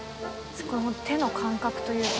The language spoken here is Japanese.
すごい手の感覚というか。